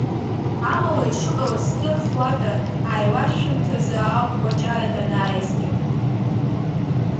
Амала, ишыҟалаз здырхуада, ааилашәшәымҭазы ауп Кәачара данааизгьы.